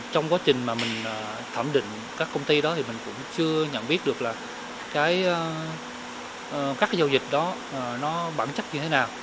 trong quá trình mà mình thẩm định các công ty đó thì mình cũng chưa nhận biết được là các cái giao dịch đó nó bản chất như thế nào